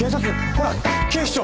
ほら警視庁。